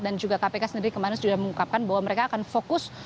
dan juga kpk sendiri kemarin sudah mengungkapkan bahwa mereka akan fokus